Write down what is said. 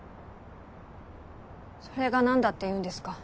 それがなんだって言うんですか？